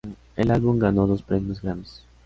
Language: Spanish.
El álbum ganó dos premios Grammys.